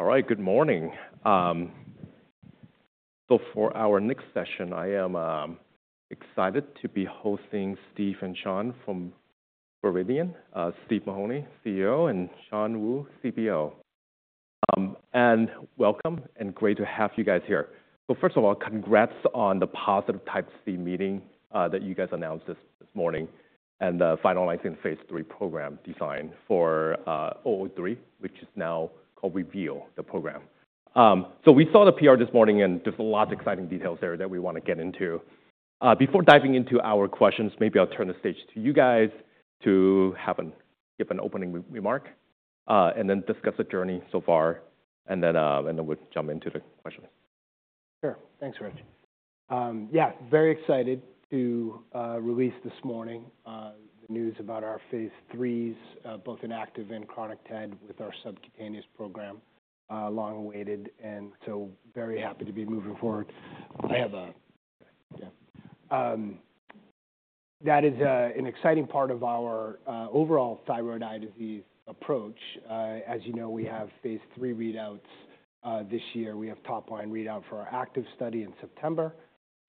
All right, good morning. So for our next session, I am excited to be hosting Steve and Shan from Viridian. Steve Mahoney, CEO, and Shan Wu, CBO. And welcome, and great to have you guys here. So first of all, congrats on the positive Type C meeting that you guys announced this morning, and finalizing phase 3 program design for VRDN-003, which is now called REVEAL, the program. So we saw the PR this morning, and there's a lot of exciting details there that we want to get into. Before diving into our questions, maybe I'll turn the stage to you guys to give an opening remark, and then discuss the journey so far, and then we'll jump into the questions. Sure. Thanks, Rich. Yeah, very excited to release this morning the news about our Phase 3s both in active and chronic TED, with our subcutaneous program, long-awaited, and so very happy to be moving forward. Yeah. That is an exciting part of our overall thyroid eye disease approach. As you know, we have Phase 3 readouts this year. We have top-line readout for our active study in September,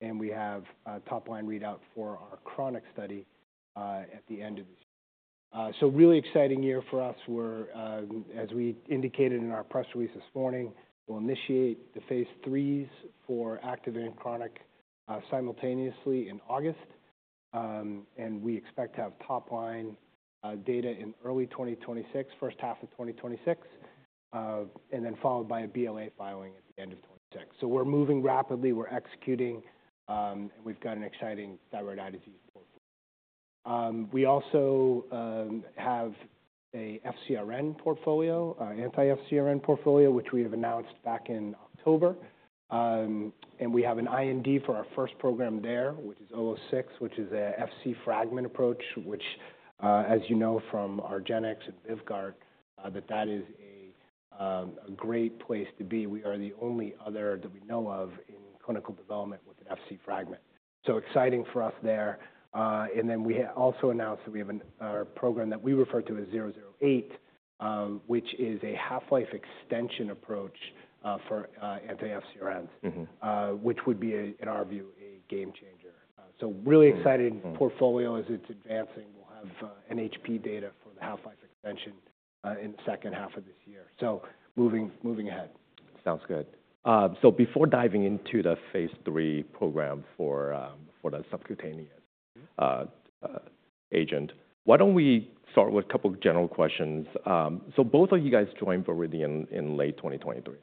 and we have a top-line readout for our chronic study at the end of the year. So really exciting year for us. We're, as we indicated in our press release this morning, we'll initiate the Phase 3s for active and chronic, simultaneously in August. And we expect to have top-line data in early 2026, first half of 2026, and then followed by a BLA filing at the end of 2026. So we're moving rapidly, we're executing, we've got an exciting thyroid eye disease portfolio. We also have a FcRn portfolio, anti-FcRn portfolio, which we have announced back in October. And we have an IND for our first program there, which is 006, which is a Fc fragment approach, which, as you know, from argenx and VYVGART, that is a great place to be. We are the only other that we know of in clinical development with a Fc fragment. So exciting for us there. And then we also announced that we have a program that we refer to as 008, which is a half-life extension approach for anti-FcRns- Mm-hmm. which would be, in our view, a game changer. Mm-hmm. So really exciting portfolio as it's advancing. We'll have NHP data for the half-life extension in the second half of this year. So moving ahead. Sounds good. So before diving into the phase 3 program for the subcutaneous agent, why don't we start with a couple general questions? So both of you guys joined Viridian in late 2023.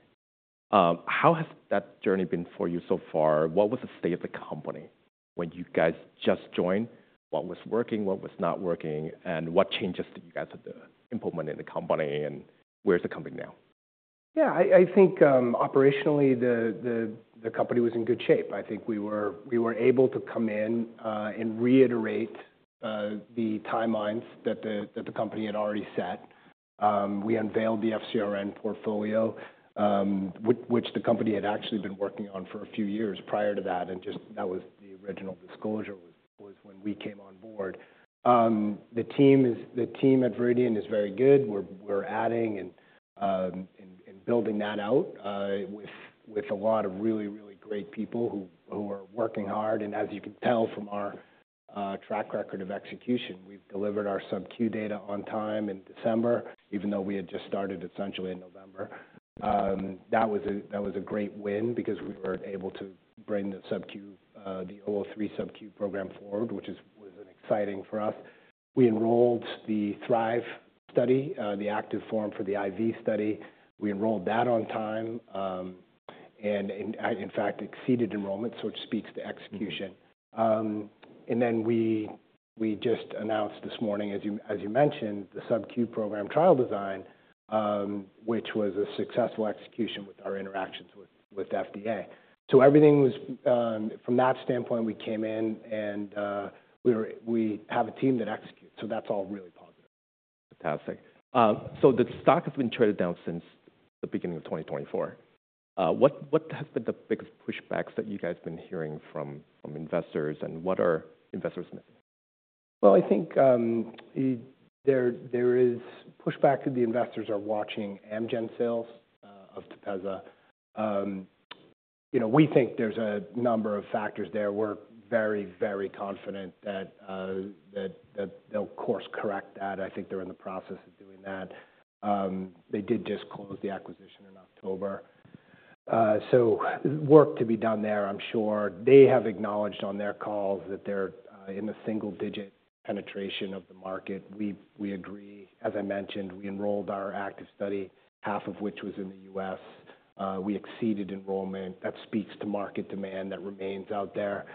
How has that journey been for you so far? What was the state of the company when you guys just joined? What was working, what was not working, and what changes did you guys have to implement in the company, and where is the company now? Yeah, I think operationally, the company was in good shape. I think we were able to come in and reiterate the timelines that the company had already set. We unveiled the FCRN portfolio, which the company had actually been working on for a few years prior to that, and just that was the original disclosure when we came on board. The team at Viridian is very good. We're adding and building that out with a lot of really great people who are working hard. And as you can tell from our track record of execution, we've delivered our subQ data on time in December, even though we had just started essentially in November. That was a great win because we were able to bring the subQ, the 003 subQ program forward, which was exciting for us. We enrolled the THRIVE study, the active form for the IV study. We enrolled that on time, and in fact, exceeded enrollment, so which speaks to execution. Mm-hmm. Then we just announced this morning, as you mentioned, the subQ program trial design, which was a successful execution with our interactions with FDA. So everything was. From that standpoint, we came in and we have a team that executes, so that's all really positive. Fantastic. So the stock has been traded down since the beginning of 2024. What has been the biggest pushbacks that you guys have been hearing from investors, and what are investors missing? Well, I think, there is pushback that the investors are watching Amgen sales of TEPEZZA. You know, we think there's a number of factors there. We're very, very confident that they'll course correct that. I think they're in the process of doing that. They did just close the acquisition in October, so work to be done there. I'm sure they have acknowledged on their calls that they're in the single digit penetration of the market. We agree. As I mentioned, we enrolled our active study, half of which was in the U.S. We exceeded enrollment. That speaks to market demand that remains out there.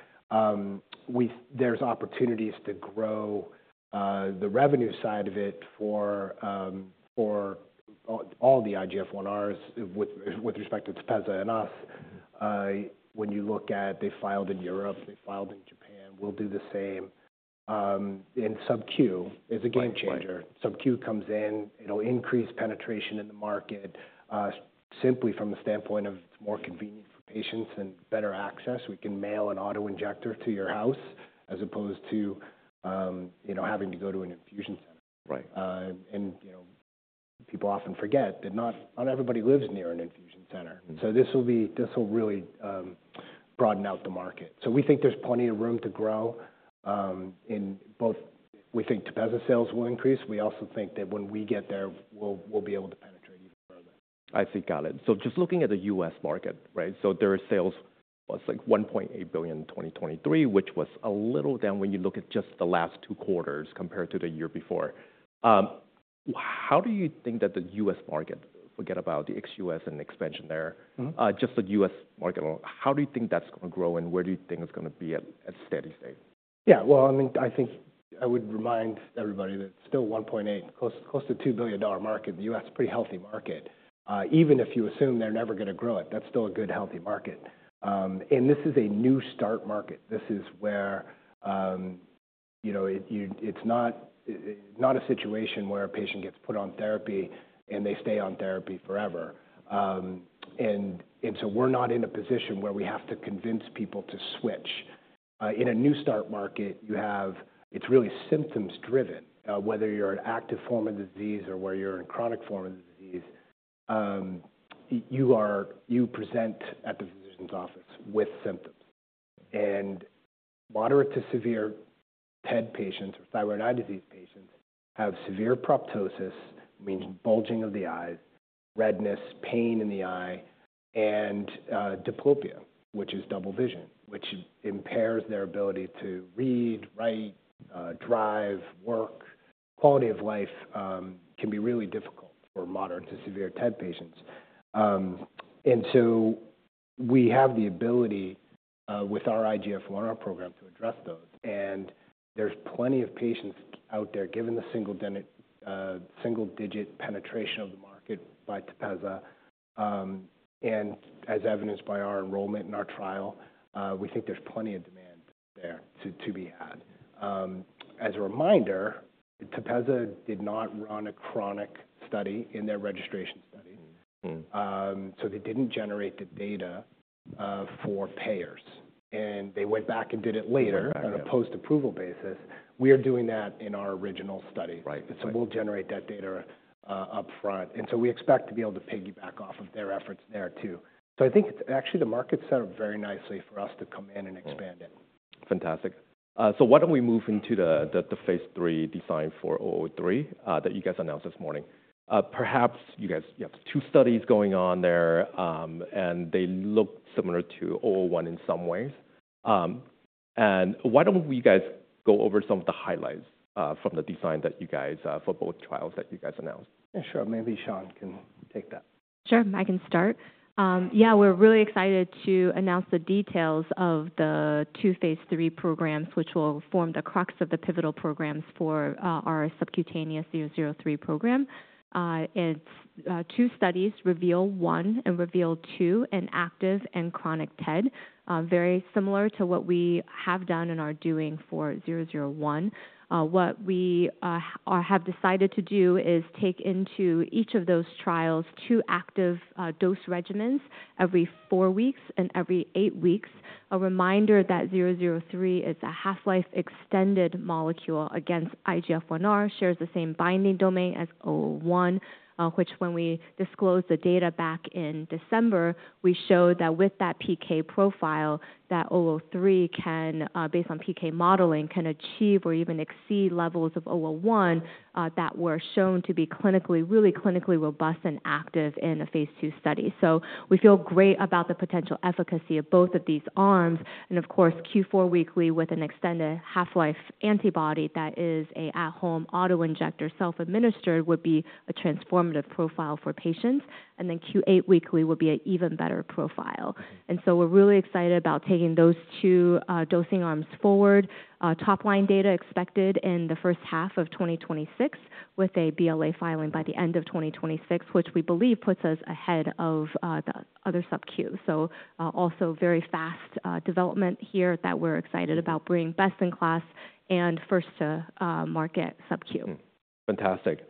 There's opportunities to grow the revenue side of it for all the IGF-1Rs with respect to TEPEZZA and us. When you look at, they filed in Europe, they filed in Japan, we'll do the same. And subQ is a game changer. Right. SubQ comes in, it'll increase penetration in the market, simply from the standpoint of more convenience for patients and better access. We can mail an auto injector to your house as opposed to, you know, having to go to an infusion center. Right. You know, people often forget that not everybody lives near an infusion center. So this will really broaden out the market. So we think there's plenty of room to grow in both. We think TEPEZZA sales will increase. We also think that when we get there, we'll be able to penetrate even further. I see. Got it. So just looking at the U.S. market, right? So their sales was, like, $1.8 billion in 2023, which was a little down when you look at just the last two quarters compared to the year before. How do you think that the U.S. market, forget about the ex-U.S. and expansion there- Mm-hmm. Just the U.S. market, how do you think that's gonna grow, and where do you think it's gonna be at, at steady state? Yeah, well, I mean, I think I would remind everybody that it's still a $1.8 -2 billion market. The U.S. is a pretty healthy market. Even if you assume they're never gonna grow it, that's still a good, healthy market. And this is a new start market. This is where, you know, it, you... It's not a situation where a patient gets put on therapy, and they stay on therapy forever. And so we're not in a position where we have to convince people to switch. In a new start market, you have, it's really symptoms driven, whether you're an active form of disease or whether you're in chronic form of disease, you present at the physician's office with symptoms. Moderate to severe TED patients or thyroid eye disease patients have severe proptosis, means bulging of the eyes, redness, pain in the eye, and diplopia, which is double vision, which impairs their ability to read, write, drive, work. Quality of life can be really difficult for moderate to severe TED patients. So we have the ability with our IGF-1 program to address those, and there's plenty of patients out there, given the single-digit penetration of the market by TEPEZZA. And as evidenced by our enrollment in our trial, we think there's plenty of demand there to be had. As a reminder, TEPEZZA did not run a chronic study in their registration study. Mm-hmm. Mm. So they didn't generate the data for payers, and they went back and did it later. Went back, yeah. On a post-approval basis. We are doing that in our original study. Right, right. So we'll generate that data upfront, and so we expect to be able to piggyback off of their efforts there too. So I think it's actually the market set up very nicely for us to come in and expand it. Mm-hmm. Fantastic. So why don't we move into the Phase 3 design for 003 that you guys announced this morning? Perhaps you guys, you have two studies going on there, and they look similar to 001 in some ways. And why don't you guys go over some of the highlights from the design that you guys for both trials that you guys announced? Yeah, sure. Maybe Shan can take that. Sure, I can start. Yeah, we're really excited to announce the details of the two phase 3 programs, which will form the crux of the pivotal programs for our subcutaneous 003 program. It's two studies, REVEAL-1 and REVEAL-2, in active and chronic TED. Very similar to what we have done and are doing for 001. What we have decided to do is take into each of those trials two active dose regimens every four weeks and every eight weeks. A reminder that VRDN-003 is a half-life extended molecule against IGF-1R, shares the same binding domain as VRDN-001, which when we disclosed the data back in December, we showed that with that PK profile, that VRDN-003 can, based on PK modeling, can achieve or even exceed levels of VRDN-001, that were shown to be clinically, really clinically robust and active in a phase 2 study. So we feel great about the potential efficacy of both of these arms, and of course, Q4 weekly with an extended half-life antibody that is a at-home auto-injector, self-administered, would be a transformative profile for patients, and then Q8 weekly would be an even better profile. Mm-hmm. And so we're really excited about taking those two, dosing arms forward. Top-line data expected in the first half of 2026, with a BLA filing by the end of 2026, which we believe puts us ahead of, the other subQ. So, also very fast, development here that we're excited about bringing best-in-class and first to, market subQ. Mm-hmm. Fantastic.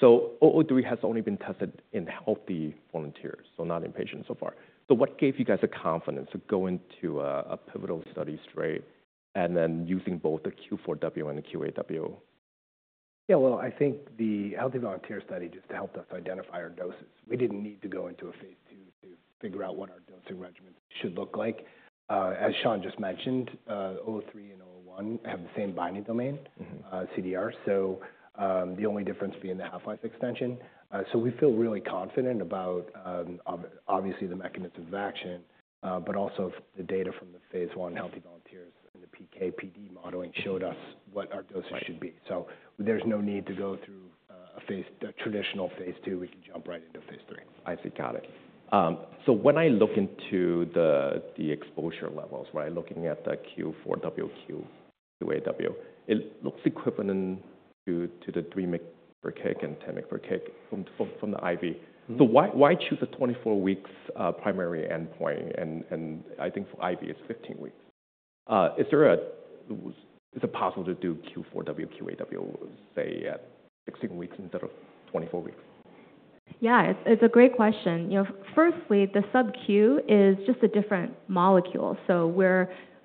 So 003 has only been tested in healthy volunteers, so not in patients so far. So what gave you guys the confidence to go into a pivotal study straight and then using both the Q4W and the Q8W? Yeah, well, I think the healthy volunteer study just helped us identify our doses. We didn't need to go into a phase 2 to figure out what our dosing regimen should look like. As Shan just mentioned, 003 and 001 have the same binding domain. Mm-hmm. CDR. So, the only difference being the half-life extension. So we feel really confident about, obviously, the mechanism of action, but also the data from the phase 1 healthy volunteers, and the PK/PD modeling showed us what our doses should be. Right. There's no need to go through a phase, the traditional phase 2. We can jump right into phase 3. I see. Got it. So when I look into the exposure levels, right? Looking at the Q4W, Q8W, it looks equivalent to the 3mg per kg and 10mg per kg from the IV. Mm-hmm. So why, why choose a 24-week primary endpoint? And I think for IV, it's 15 weeks. Is it possible to do Q4W, Q8W, say, at 16 weeks instead of 24 weeks?... Yeah, it's a great question. You know, firstly, the subQ is just a different molecule. So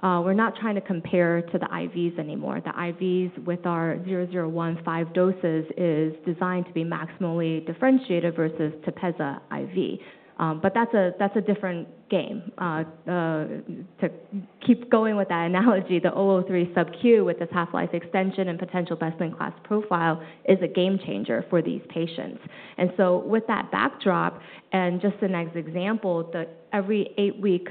we're not trying to compare to the IVs anymore. The IVs with our VRDN-001 IV doses is designed to be maximally differentiated versus TEPEZZA IV. But that's a different game. To keep going with that analogy, the VRDN-003 subQ with the half-life extension and potential best-in-class profile is a game changer for these patients. And so with that backdrop, and just the next example, the every eight-week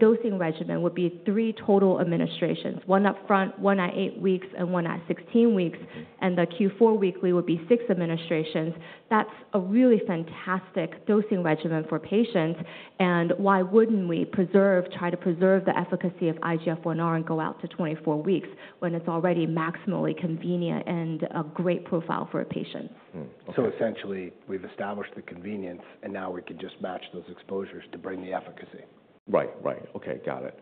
dosing regimen would be three total administrations, one upfront, one at eight weeks, and one at 16 weeks, and the Q4 weekly would be six administrations. That's a really fantastic dosing regimen for patients. Why wouldn't we preserve the efficacy of IGF-1R and go out to 24 weeks when it's already maximally convenient and a great profile for a patient? Hmm, okay. Essentially, we've established the convenience, and now we can just match those exposures to bring the efficacy. Right. Right. Okay, got it.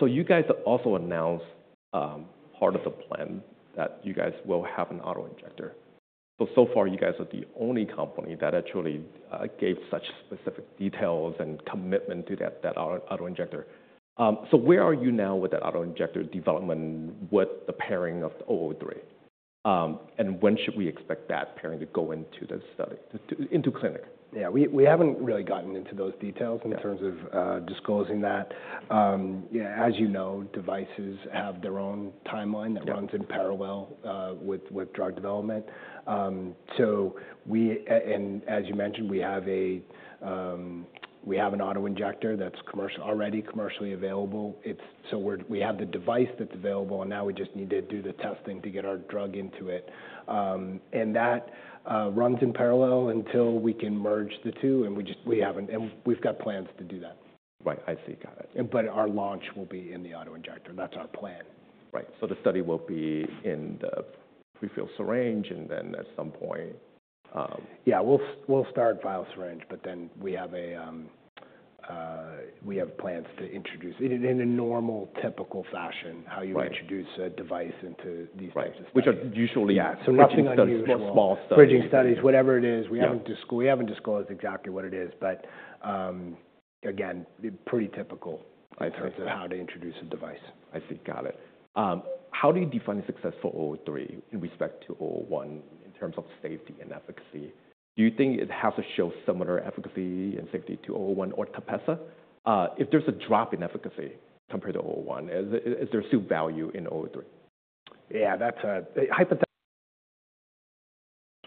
So you guys also announced part of the plan that you guys will have an auto-injector. So, so far, you guys are the only company that actually gave such specific details and commitment to that auto-injector. So where are you now with that auto-injector development, with the pairing of the 003? And when should we expect that pairing to go into the study, into clinic? Yeah, we haven't really gotten into those details- Yeah. -in terms of disclosing that. Yeah, as you know, devices have their own timeline- Yeah That runs in parallel with drug development. So we and as you mentioned, we have an auto-injector that's commercially available. It's so we're, we have the device that's available, and now we just need to do the testing to get our drug into it. And that runs in parallel until we can merge the two, and we just, we haven't. And we've got plans to do that. Right. I see. Got it. Our launch will be in the auto-injector. Got it. That's our plan. Right. So the study will be in the prefilled syringe, and then at some point, Yeah, we'll, we'll start vial syringe, but then we have a, we have plans to introduce it in a normal, typical fashion- Right... how you introduce a device into these types of studies. Right. Which are usually at- Nothing unusual. Small, small studies. Bridging studies, whatever it is. Yeah. We haven't disclosed exactly what it is, but, again, pretty typical- I see in terms of how to introduce a device. I see. Got it. How do you define a successful VRDN-003 in respect to VRDN-001 in terms of safety and efficacy? Do you think it has to show similar efficacy and safety to VRDN-001 or TEPEZZA? If there's a drop in efficacy compared to VRDN-001, is there still value in VRDN-003? Yeah, that's a hypothetical,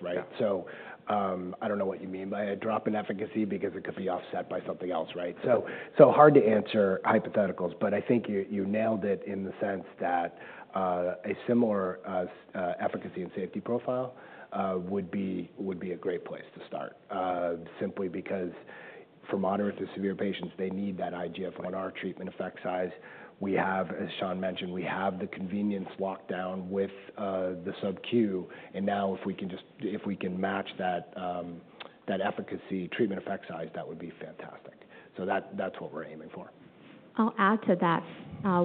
right? Yeah. I don't know what you mean by a drop in efficacy because it could be offset by something else, right? Yeah. So, so hard to answer hypotheticals, but I think you nailed it in the sense that, a similar efficacy and safety profile would be a great place to start. Simply because for moderate to severe patients, they need that IGF-I treatment effect size. We have, as Shan mentioned, we have the convenience lockdown with the subQ. And now if we can just, if we can match that, that efficacy treatment effect size, that would be fantastic. So that, that's what we're aiming for. I'll add to that.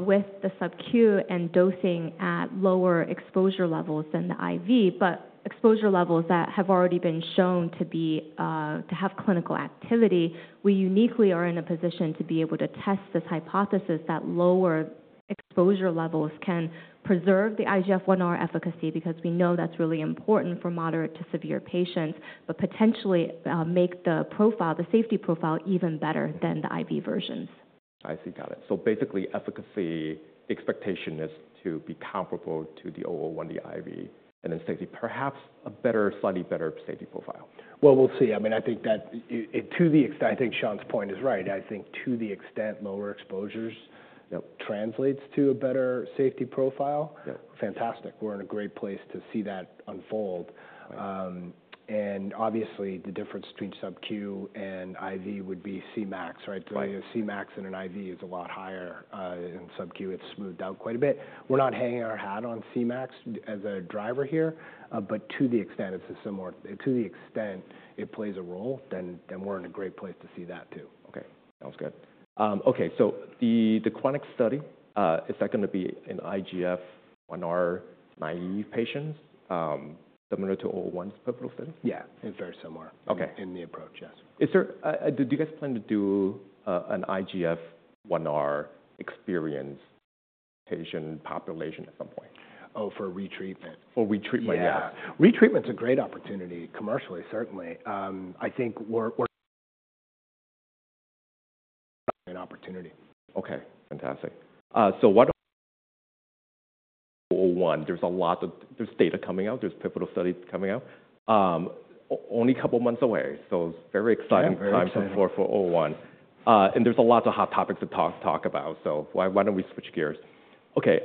With the subQ and dosing at lower exposure levels than the IV, but exposure levels that have already been shown to be to have clinical activity, we uniquely are in a position to be able to test this hypothesis that lower exposure levels can preserve the IGF-I efficacy, because we know that's really important for moderate to severe patients, but potentially make the profile, the safety profile, even better than the IV versions. I see. Got it. So basically, efficacy expectation is to be comparable to the 001, the IV, and then safety, perhaps a better, slightly better safety profile. Well, we'll see. I mean, I think that to the extent... I think Shan's point is right. I think to the extent lower exposures- Yep translates to a better safety profile. Yeah Fantastic. We're in a great place to see that unfold. Right. Obviously, the difference between subQ and IV would be Cmax, right? Right. The Cmax in an IV is a lot higher than subQ. It's smoothed out quite a bit. We're not hanging our hat on Cmax as a driver here, but to the extent it plays a role, then we're in a great place to see that, too. Okay, sounds good. Okay, so the clinical study, is that gonna be an IGF-1 naive patients, similar to 001's pivotal study? Yeah, it's very similar- Okay... in the approach, yes. Is there... Do you guys plan to do an IGF-1R experience patient population at some point? Oh, for retreatment. For retreatment, yeah. Yeah. Retreatment is a great opportunity, commercially, certainly. I think we're an opportunity. Okay, fantastic. So what 001. There's data coming out, there's pivotal studies coming out. Only a couple of months away, so it's very exciting- Yeah, very exciting. Time for 001. And there's a lot of hot topics to talk about, so why don't we switch gears? Okay,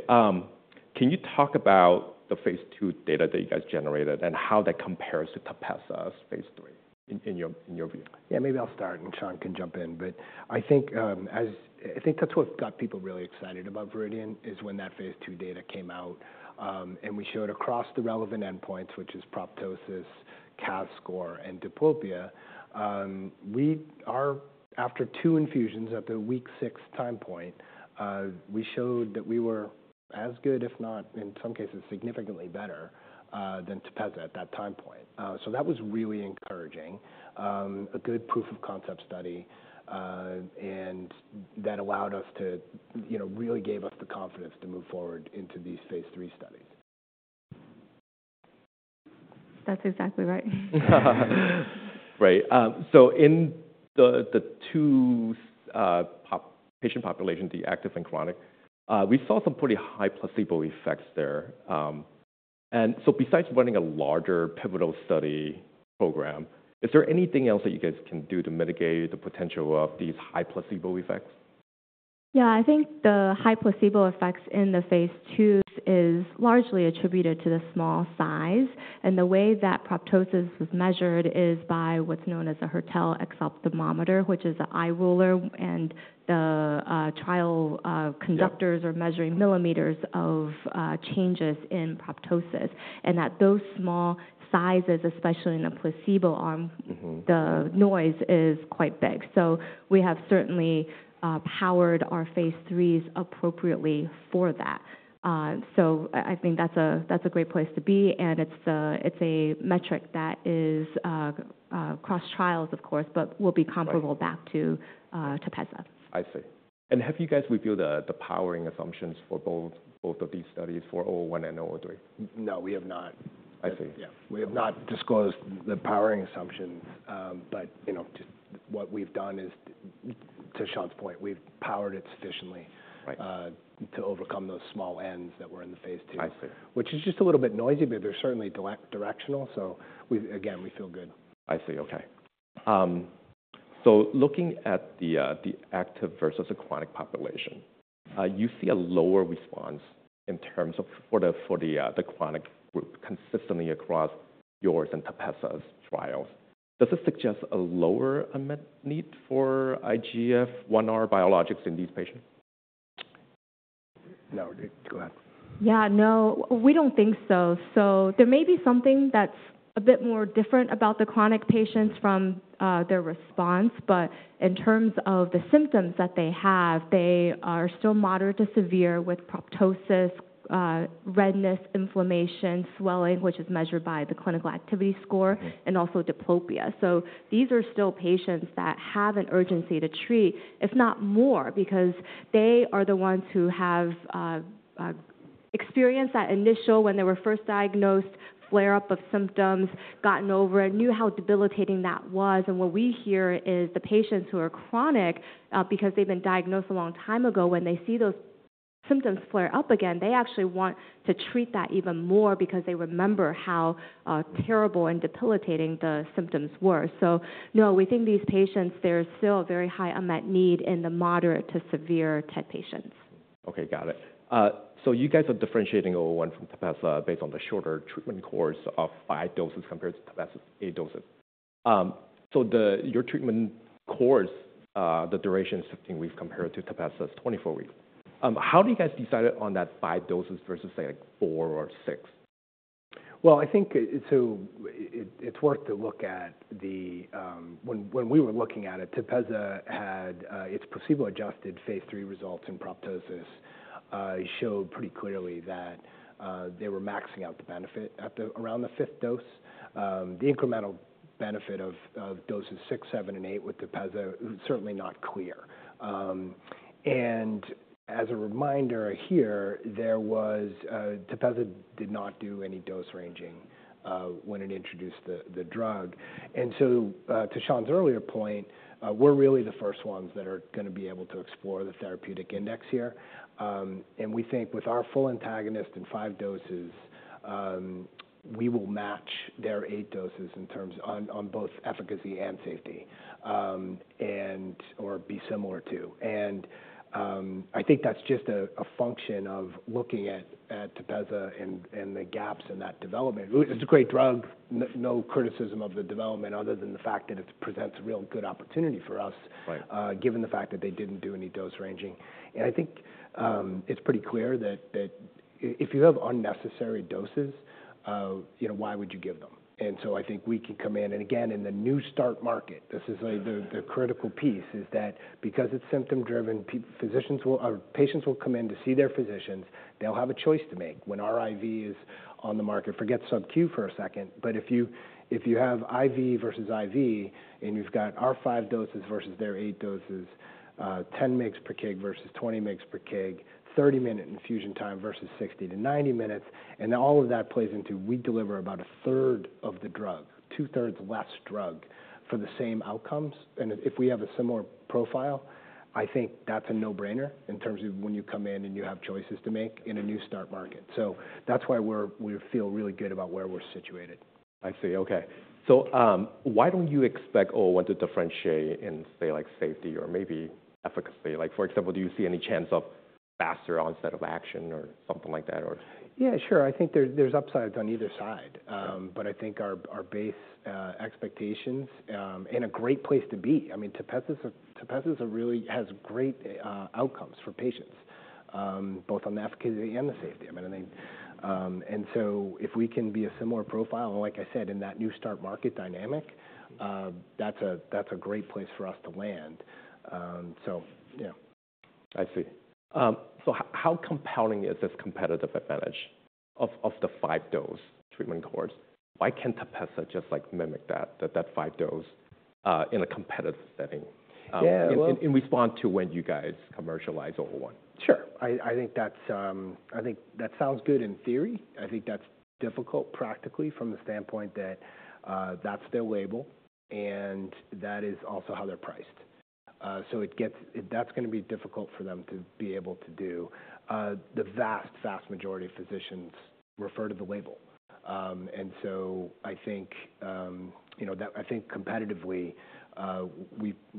can you talk about the phase 2 data that you guys generated and how that compares to TEPEZZA's phase three in your view? Yeah, maybe I'll start, and Shan can jump in. But I think, I think that's what got people really excited about Viridian, is when that phase 2 data came out. And we showed across the relevant endpoints, which is proptosis, CAS score, and diplopia. We saw after two infusions at the week six time point, we showed that we were as good, if not, in some cases, significantly better, than TEPEZZA at that time point. So that was really encouraging. A good proof of concept study, and that allowed us to, you know, really gave us the confidence to move forward into these phase 3 studies. That's exactly right. Right. So in the two patient populations, the active and chronic, we saw some pretty high placebo effects there. And so besides running a larger pivotal study program, is there anything else that you guys can do to mitigate the potential of these high placebo effects? Yeah, I think the high placebo effects in the phase 2 is largely attributed to the small size, and the way that proptosis is measured is by what's known as a Hertel exophthalmometer, which is an eye ruler, and the trial... Yeah - conductors are measuring millimeters of changes in proptosis, and that those small sizes, especially in a placebo arm- Mm-hmm The noise is quite big. So we have certainly powered our phase 3s appropriately for that. So I think that's a great place to be, and it's a metric that is cross trials, of course, but will be comparable- Right. - back to TEPEZZA. I see. And have you guys reviewed the powering assumptions for both of these studies, for VRDN-001 and VRDN-003? No, we have not. I see. Yeah. We have not disclosed the powering assumptions, but, you know, what we've done is, to Sean's point, we've powered it sufficiently- Right... to overcome those small n's that were in the phase 2. I see. Which is just a little bit noisy, but they're certainly directional, so we again, we feel good. I see. Okay. So looking at the active versus the chronic population, you see a lower response in terms of the chronic group, consistently across yours and TEPEZZA's trials. Does this suggest a lower unmet need for IGF-1R biologics in these patients? No. Go ahead. Yeah, no, we don't think so. So there may be something that's a bit more different about the chronic patients from their response, but in terms of the symptoms that they have, they are still moderate to severe with proptosis, redness, inflammation, swelling, which is measured by the clinical activity score- Okay... and also diplopia. So these are still patients that have an urgency to treat, if not more, because they are the ones who have, experienced that initial, when they were first diagnosed, flare-up of symptoms, gotten over it, knew how debilitating that was. And what we hear is the patients who are chronic, because they've been diagnosed a long time ago, when they see those symptoms flare up again, they actually want to treat that even more because they remember how, terrible and debilitating the symptoms were. So no, we think these patients, there's still a very high unmet need in the moderate to severe type patients. Okay, got it. So you guys are differentiating VRDN-001 from TEPEZZA based on the shorter treatment course of five doses compared to TEPEZZA's eight doses. So your treatment course, the duration 16 weeks, compared to TEPEZZA's 24 weeks. How do you guys decide on that five doses versus, say, like four or six? Well, I think, it's worth to look at the. When we were looking at it, TEPEZZA had its placebo-adjusted Phase 3 results, and proptosis showed pretty clearly that they were maxing out the benefit at around the fifth dose. The incremental benefit of doses six, seven, and eight with TEPEZZA is certainly not clear. And as a reminder here, TEPEZZA did not do any dose ranging when it introduced the drug. And so, to Sean's earlier point, we're really the first ones that are gonna be able to explore the therapeutic index here. And we think with our full antagonist in five doses, we will match their eight doses in terms on both efficacy and safety, and/or be similar to. I think that's just a function of looking at TEPEZZA and the gaps in that development. It's a great drug, no criticism of the development, other than the fact that it presents a real good opportunity for us. Right... given the fact that they didn't do any dose ranging. And I think it's pretty clear that if you have unnecessary doses, you know, why would you give them? And so I think we can come in, and again, in the new start market, this is, like, the critical piece, is that because it's symptom driven, physicians will... Patients will come in to see their physicians, they'll have a choice to make when our IV is on the market. Forget subQ for a second, but if you, if you have IV versus IV, and you've got our five doses versus their eight doses, 10mg per kg versus 20mg per kg, 30-minute infusion time versus 60-90 minutes, and all of that plays into we deliver about a third of the drug, two-thirds less drug for the same outcomes. And if, if we have a similar profile, I think that's a no-brainer in terms of when you come in and you have choices to make in a new start market. So that's why we feel really good about where we're situated. I see. Okay. So, why don't you expect 001 to differentiate in, say, like, safety or maybe efficacy? Like, for example, do you see any chance of faster onset of action or something like that, or? Yeah, sure. I think there, there's upsides on either side. Yeah. But I think our base expectations in a great place to be. I mean, TEPEZZA has great outcomes for patients, both on the efficacy and the safety. I mean, I think, and so if we can be a similar profile, like I said, in that new start market dynamic, that's a great place for us to land. So yeah. I see. So how compelling is this competitive advantage of the five-dose treatment course? Why can't TEPEZZA just, like, mimic that five-dose in a competitive setting? Yeah, well- In response to when you guys commercialize 001. Sure. I think that's, I think that sounds good in theory. I think that's difficult practically from the standpoint that that's their label, and that is also how they're priced. So it gets. That's gonna be difficult for them to be able to do. The vast, vast majority of physicians refer to the label. And so I think, you know, that I think competitively,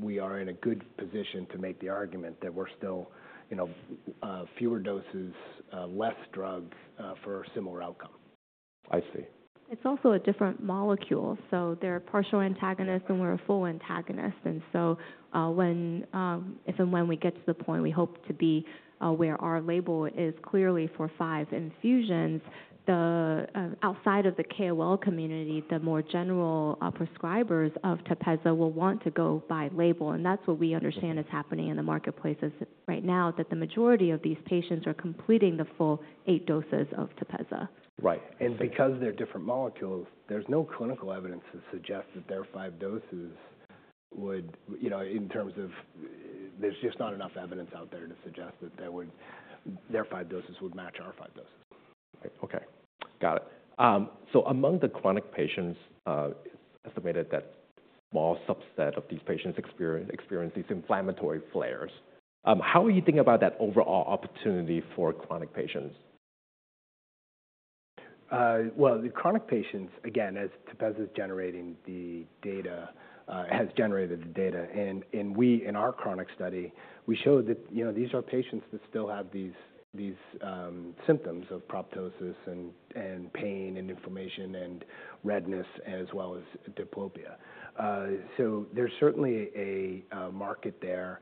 we are in a good position to make the argument that we're still, you know, fewer doses, less drugs, for a similar outcome. I see. It's also a different molecule, so they're a partial antagonist- Yeah. - and we're a full antagonist. And so, when if and when we get to the point we hope to be, where our label is clearly for five infusions, the outside of the KOL community, the more general prescribers of TEPEZZA will want to go by label, and that's what we understand- Mm-hmm. is happening in the marketplace is right now, that the majority of these patients are completing the full 8 doses of TEPEZZA. Right. I see. Because they're different molecules, there's no clinical evidence to suggest that their five doses would... You know, in terms of, there's just not enough evidence out there to suggest that there would—their five doses would match our five doses. Right. Okay, got it. So among the chronic patients, it's estimated that small subset of these patients experience these inflammatory flares. How are you thinking about that overall opportunity for chronic patients? Well, the chronic patients, again, as TEPEZZA's generating the data, has generated the data, and we, in our chronic study, we showed that, you know, these are patients that still have these symptoms of proptosis and pain, and inflammation, and redness, as well as diplopia. So there's certainly a market there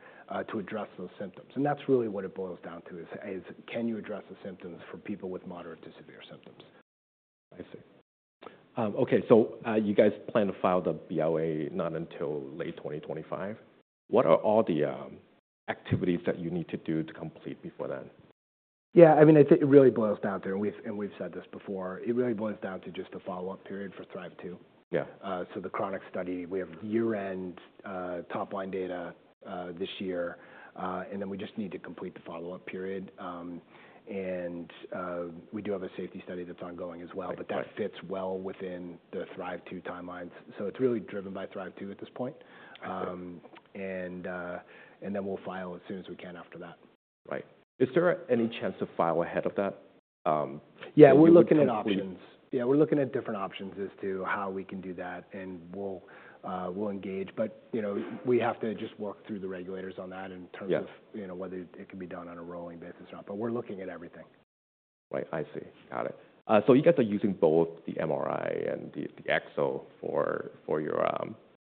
to address those symptoms, and that's really what it boils down to, is: Can you address the symptoms for people with moderate to severe symptoms? I see. Okay, so, you guys plan to file the BLA not until late 2025? What are all the activities that you need to do to complete before then? Yeah, I mean, it really boils down to, and we've said this before, it really boils down to just the follow-up period for THRIVE-2. Yeah. So the chronic study, we have year-end top-line data this year, and then we just need to complete the follow-up period. We do have a safety study that's ongoing as well- Right. That fits well within the THRIVE-2 timelines. It's really driven by THRIVE-2 at this point. I see. And then we'll file as soon as we can after that. Right. Is there any chance to file ahead of that? Yeah, we're looking at options. We- Yeah, we're looking at different options as to how we can do that, and we'll engage. But, you know, we have to just work through the regulators on that in terms of- Yeah... you know, whether it can be done on a rolling basis or not, but we're looking at everything. Right. I see. Got it. So you guys are using both the MRI and the, the EXO for, for your,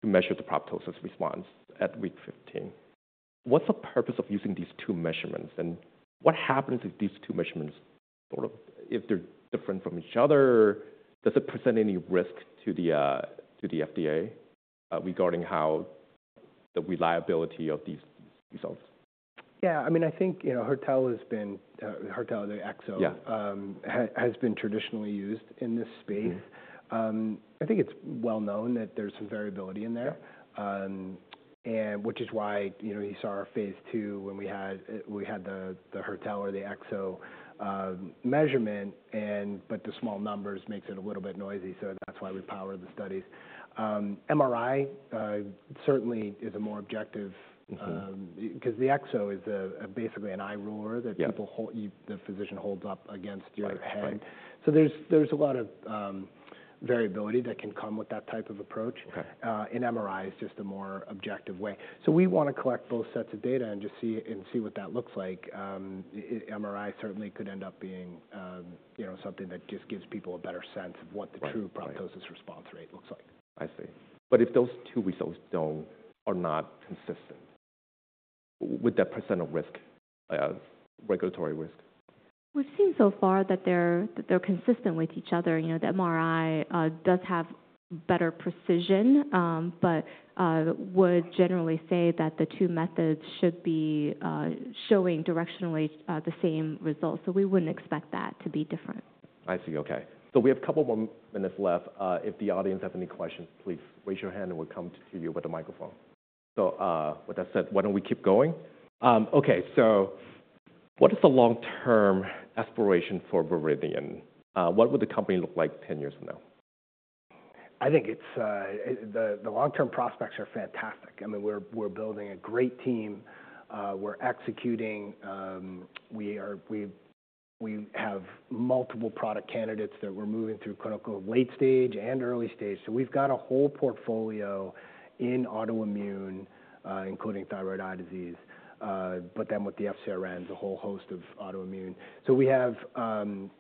to measure the proptosis response at week 15. What's the purpose of using these two measurements, and what happens if these two measurements sort of... If they're different from each other, does it present any risk to the, to the FDA, regarding how the reliability of these results? Yeah, I mean, I think, you know, Hertel has been Hertel, the EXO- Yeah... has been traditionally used in this space. Mm-hmm. I think it's well known that there's some variability in there. Yeah. And which is why, you know, you saw our phase 2 when we had the Hertel or the EXO measurement. But the small numbers makes it a little bit noisy, so that's why we power the studies. MRI certainly is a more objective- Mm-hmm... because the EXO is basically an eye ruler- Yeah - that people, you, the physician holds up against your head. Right. Right. So there's a lot of variability that can come with that type of approach. Okay. and MRI is just a more objective way. So we want to collect both sets of data and just see, and see what that looks like. MRI certainly could end up being, you know, something that just gives people a better sense of what the- Right... true proptosis response rate looks like. I see. But if those two results are not consistent, would that present a risk, regulatory risk? We've seen so far that they're consistent with each other. You know, the MRI does have better precision, but would generally say that the two methods should be showing directionally the same results. So we wouldn't expect that to be different. I see. Okay. So we have a couple more minutes left. If the audience have any questions, please raise your hand and we'll come to you with a microphone. So, with that said, why don't we keep going? Okay, so what is the long-term aspiration for Viridian? What would the company look like 10 years from now? I think it's the long-term prospects are fantastic. I mean, we're building a great team. We're executing. We have multiple product candidates that we're moving through clinical, late stage and early stage. So we've got a whole portfolio in autoimmune, including thyroid eye disease, but then with the FcRn, the whole host of autoimmune. So we have an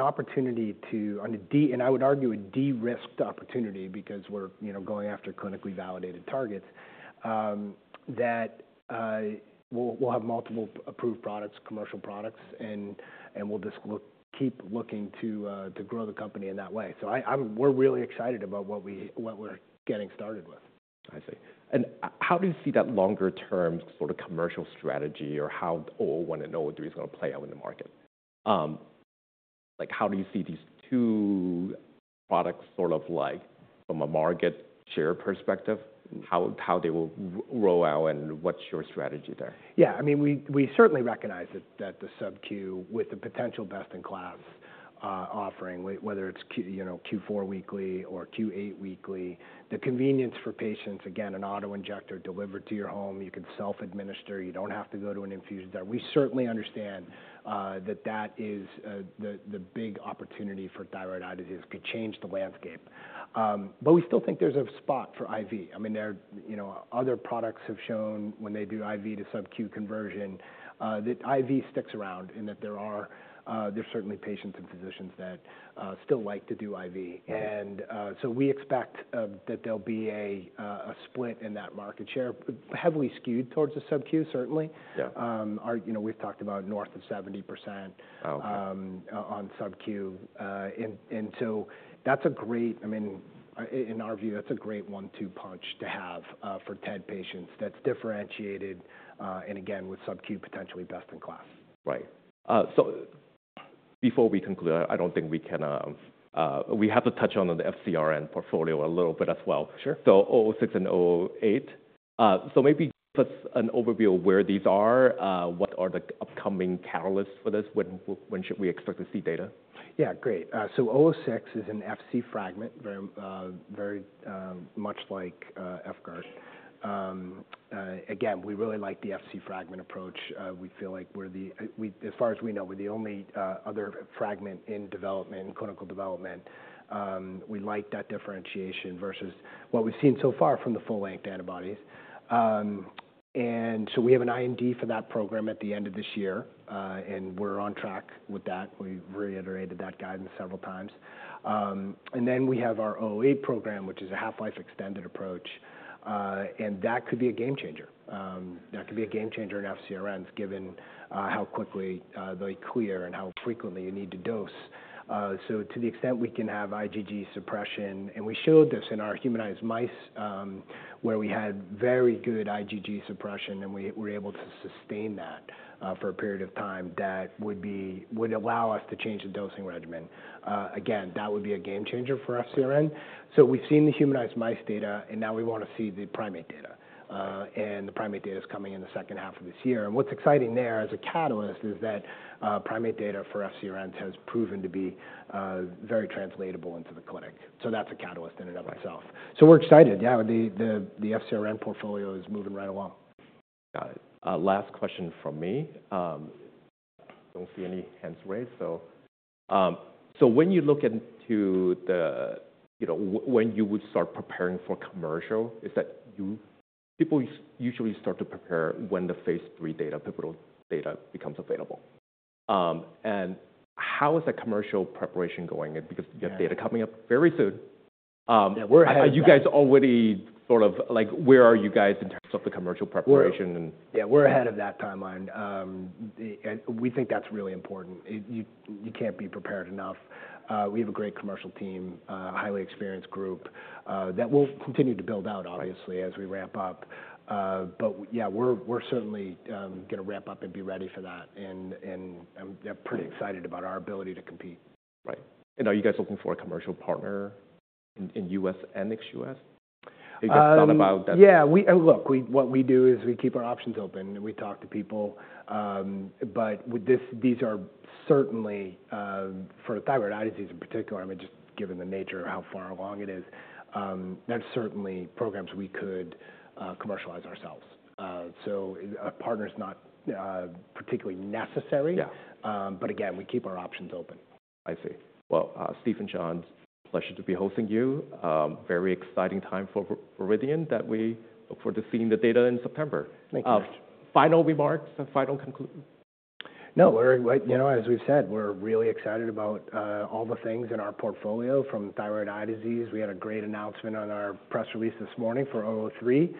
opportunity to, on a de-risked opportunity because we're, you know, going after clinically validated targets that we'll have multiple approved products, commercial products, and we'll just keep looking to grow the company in that way. So I'm we're really excited about what we're getting started with. I see. And how do you see that longer-term sort of commercial strategy or how VRDN-001 and VRDN-003 is gonna play out in the market? Like, how do you see these two products, sort of like from a market share perspective, how they will roll out, and what's your strategy there? Yeah, I mean, we certainly recognize that the subQ, with the potential best-in-class offering, whether it's, you know, Q4 weekly or Q8 weekly, the convenience for patients, again, an auto-injector delivered to your home, you can self-administer, you don't have to go to an infusion center. We certainly understand that that is the big opportunity for thyroid eye disease, could change the landscape. But we still think there's a spot for IV. I mean, there are... You know, other products have shown when they do IV to subQ conversion, that IV sticks around and that there are certainly patients and physicians that still like to do IV. Right. So we expect that there'll be a split in that market share, heavily skewed towards the subq, certainly. Yeah. You know, we've talked about north of 70%- Okay. On subq. So that's a great—I mean, in our view, that's a great one-two punch to have for TED patients that's differentiated, and again, with subq potentially best-in-class. Right. So before we conclude, I don't think we can. We have to touch on the FcRn portfolio a little bit as well. Sure. So VRDN-006 and VRDN-008. So maybe just an overview of where these are, what are the upcoming catalysts for this? When, when should we expect to see data? Yeah, great. So VRDN-006 is an Fc fragment, very very much like VYVGART. Again, we really like the Fc fragment approach. We feel like we're the-- we, as far as we know, we're the only other fragment in development, in clinical development. We like that differentiation versus what we've seen so far from the full-length antibodies. And so we have an IND for that program at the end of this year, and we're on track with that. We've reiterated that guidance several times. And then we have our VRDN-008 program, which is a half-life extended approach, and that could be a game changer. That could be a game changer in FcRns, given how quickly they clear and how frequently you need to dose. So to the extent we can have IgG suppression, and we showed this in our humanized mice, where we had very good IgG suppression, and we're able to sustain that for a period of time, that would allow us to change the dosing regimen. Again, that would be a game changer for FcRn. So we've seen the humanized mice data, and now we want to see the primate data. Right. The primate data is coming in the second half of this year. What's exciting there as a catalyst is that, primate data for FcRns has proven to be very translatable into the clinic. That's a catalyst in and of itself. Right. So we're excited. Yeah, the FcRn portfolio is moving right along. Got it. Last question from me. I don't see any hands raised. So, so when you look into the, you know... when you would start preparing for commercial, is that people usually start to prepare when the phase three data, pivotal data, becomes available. And how is that commercial preparation going? Because you have data coming up very soon. Yeah, we're ahead of that. Are you guys already sort of... like, where are you guys in terms of the commercial preparation and- Yeah, we're ahead of that timeline. And we think that's really important. You can't be prepared enough. We have a great commercial team, a highly experienced group, that we'll continue to build out, obviously, as we ramp up. But yeah, we're certainly gonna ramp up and be ready for that, and yeah, pretty excited about our ability to compete. Right. And are you guys looking for a commercial partner in U.S. and ex-U.S.? Have you thought about that? Yeah, look, what we do is we keep our options open, and we talk to people. But with this, these are certainly for thyroid eye disease in particular, I mean, just given the nature of how far along it is, that's certainly programs we could commercialize ourselves. So a partner is not particularly necessary. Yeah. But again, we keep our options open. I see. Well, Steve and Shan, pleasure to be hosting you. Very exciting time for Viridian, that we look forward to seeing the data in September. Thank you. Final remarks or final conclusion? No, we're, you know, as we've said, we're really excited about all the things in our portfolio. From thyroid eye disease, we had a great announcement on our press release this morning for 003.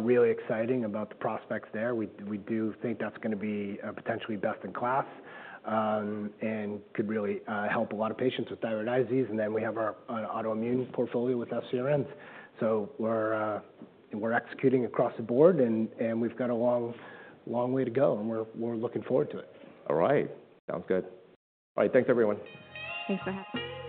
Really exciting about the prospects there. We do think that's gonna be potentially best-in-class and could really help a lot of patients with thyroid eye disease. And then we have our autoimmune portfolio with FcRNs. So we're executing across the board, and we've got a long, long way to go, and we're looking forward to it. All right. Sounds good. All right. Thanks, everyone. Thanks for having me.